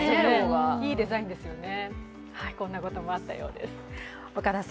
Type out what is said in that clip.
いいデザインですよね。